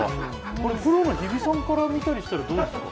これ、プロの日比さんから見たりしたらどうですか？